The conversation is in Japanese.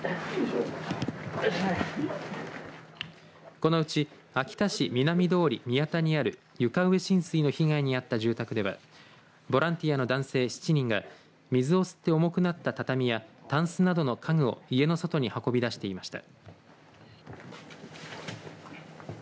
このうち秋田市南通宮田にある床上浸水の被害に遭った住宅ではボランティアの男性７人が水を吸って重くなった畳やたんすなどの家具を家の外に運び出していました。